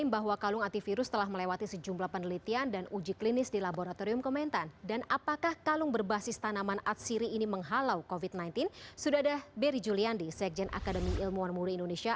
beri juliandi sekjen akademi ilmuwan muda indonesia